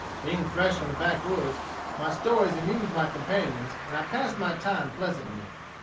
Being fresh from the backwoods, my stories amused my companions, and I passed my time pleasantly.